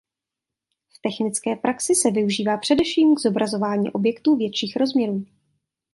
V technické praxi se využívá především k zobrazování objektů větších rozměrů.